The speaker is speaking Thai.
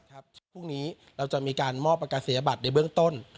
พรุ่งนี้เราจะมีการมอบประกาศยบัตรในเบื้องต้น